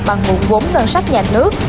bằng nguồn vốn ngân sách nhà nước